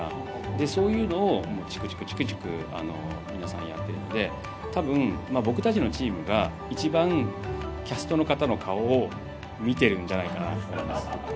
でそういうのをチクチクチクチク皆さんやってるので多分僕たちのチームが一番キャストの方の顔を見てるんじゃないかなと思います。